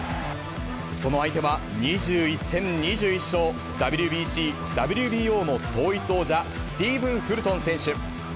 その相手は、２１戦２１勝、ＷＢＣ、ＷＢＯの統一王者、スティーブン・フルトン選手。